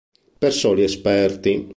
Per soli esperti!